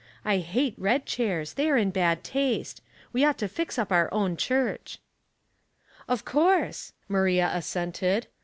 I hate red chairs, they're in bad taste. We ought to fix up our own church." '' Of course," Maria assented.